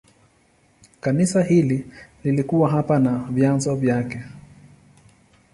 Kanisa hili lilikuwa hapa na vyanzo vyake.